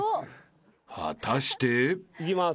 ［果たして］いきます。